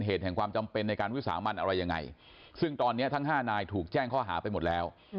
เหตุแห่งความจำเป็นในการวิสามันอะไรยังไงซึ่งตอนนี้ทั้ง๕นายถูกแจ้งข้อหาไปหมดแล้ว